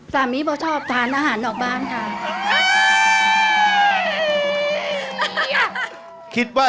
สามีบอกชอบทานอาหารออกบ้านค่ะ